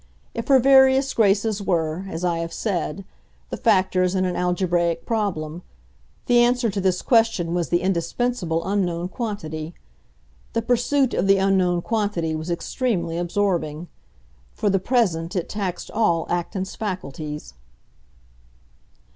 If her various graces were, as I have said, the factors in an algebraic problem, the answer to this question was the indispensable unknown quantity. The pursuit of the unknown quantity was extremely absorbing; for the present it taxed all Acton's faculties.